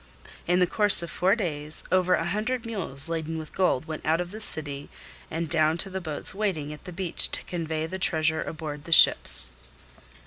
In the course of four days over a hundred mules laden with gold went out of the city and down to the boats waiting at the beach to convey the treasure aboard the ships.